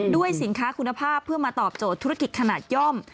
ด้วยสินค้าคุณภาพเพื่อมาตอบโจทย์ธุรกิจขนาดย่อม